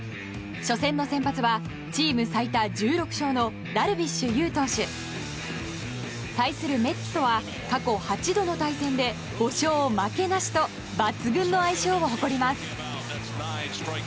初戦の先発はチーム最多１６勝のダルビッシュ有投手。対するメッツとは過去８度の対戦で５勝負けなしと抜群の相性を誇ります。